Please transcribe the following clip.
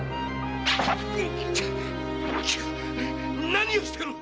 何をしている！